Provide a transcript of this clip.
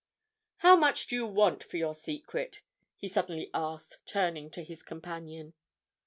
"How much do you want for your secret?" he suddenly asked, turning to his companion.